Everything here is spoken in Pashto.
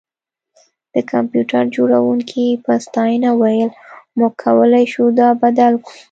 د کمپیوټر جوړونکي په ستاینه وویل موږ کولی شو دا بدل کړو